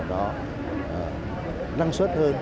năng suất hơn